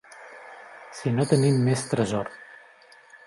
Si no tenim més tresor